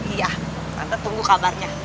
iya tante tunggu kabarnya